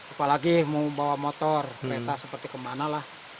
apalagi mau bawa motor kereta seperti kemana lah